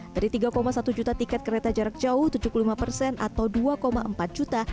dari tiga satu juta tiket kereta jarak jauh tujuh puluh lima persen atau dua empat juta